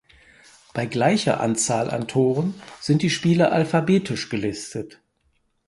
Bei gleicher Anzahl an Toren sind die Spieler alphabetisch gelistet.